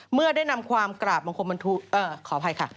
เมื่อได้นำความกราบบังคมบรรทุกขออภัยค่ะ